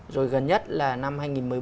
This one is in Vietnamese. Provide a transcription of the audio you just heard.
rồi gần nhất là năm hai nghìn một mươi bốn